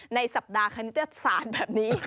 ในสัปดาห์คณิตศาสตร์แบบนี้